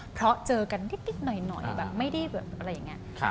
เพราะเจอกันนิดหน่อย